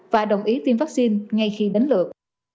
và đồng ý tiêm vaccine ngay khi đến lượt